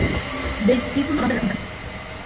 Vestíbulo Ronda de la Comunicación